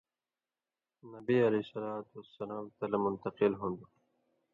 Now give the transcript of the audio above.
نبی ﷺ تلہ منتقل ہُون٘دوۡ۔